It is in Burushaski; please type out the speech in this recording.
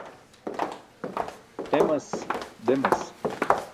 Emas demas.